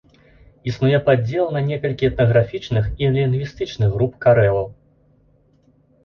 Існуе падзел на некалькі этнаграфічных і лінгвістычных груп карэлаў.